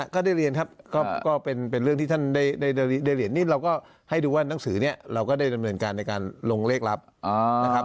ก็ได้เรียนครับก็เป็นเรื่องที่ท่านได้เรียนนิดเราก็ให้ดูว่านังสือเนี่ยเราก็ได้ดำเนินการในการลงเลขลับนะครับ